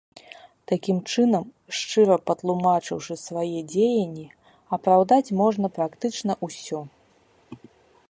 Такім чынам, шчыра патлумачыўшы свае дзеянні, апраўдаць можна практычна ўсё.